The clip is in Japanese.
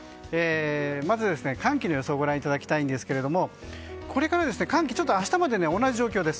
まず寒気の予想をご覧いただきたいんですがこれから寒気は明日まで同じ状況です。